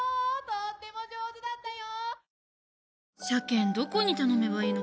とっても上手だったよ！